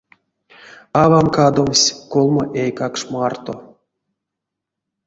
Авам кадовсь колмо эйкакш марто.